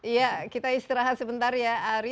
iya kita istirahat sebentar ya ari